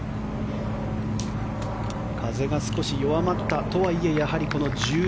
風が少し弱まったとはいえやはり１４、１５。